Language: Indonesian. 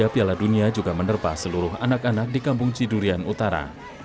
piala dunia juga menerpa seluruh anak anak di kampung cidurian utara